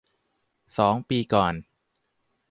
สองปีก่อน